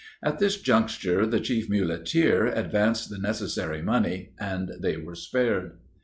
At this juncture, the chief muleteer advanced the necessary money, and they were spared.